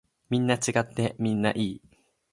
みんな違ってみんないい。